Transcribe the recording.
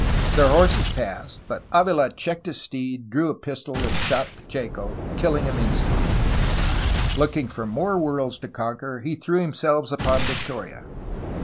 Their horses passed, but Avila checked his steed, drew a pistol, and shot Pacheco, kilhng him instantly. Looking for more worlds to conquer he threw himself upon Victoria.